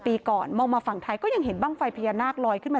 ปีก่อนมองมาฝั่งไทยก็ยังเห็นบ้างไฟพญานาคลอยขึ้นมา